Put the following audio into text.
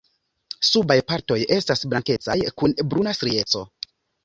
Subaj partoj estas blankecaj kun bruna strieco.